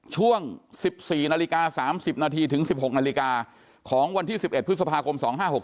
ช่วง๑๔นาฬิกา๓๐นาทีถึง๑๖นาฬิกาของวันที่๑๑พฤษภาคม๒๕๖๖